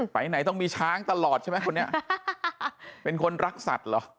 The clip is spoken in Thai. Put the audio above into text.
ไปไหนต้องมีช้างตลอดใช่ไหมคนนี้เป็นคนรักสัตว์เหรอ